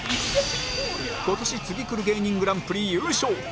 今年ツギクル芸人グランプリ優勝